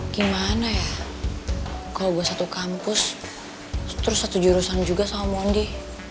gimana ya kalau gue satu kampus terus satu jurusan juga sama mondi